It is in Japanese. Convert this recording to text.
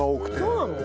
そうなの？